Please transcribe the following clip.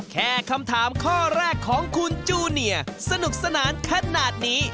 แค่คำถามข้อแรกของคุณจูเนียสนุกสนานขนาดนี้